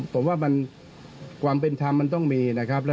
ผมว่าความเป็นธรรมต้องมี